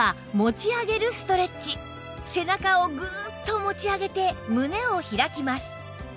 まずは背中をグーッと持ち上げて胸を開きます